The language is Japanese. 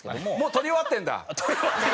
「撮り終わってる」。